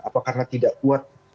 apakah karena tidak kuat